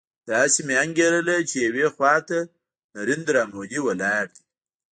داسې مې انګېرله چې يوې خوا ته نریندرا مودي ولاړ دی.